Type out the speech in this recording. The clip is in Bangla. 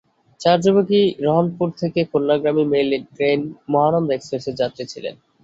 চার যুবকই রহনপুর থেকে খুলনাগামী মেইল ট্রেন মহানন্দা এক্সপ্রেসের যাত্রী ছিলেন।